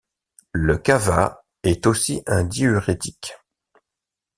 Le kava est aussi un diurétique.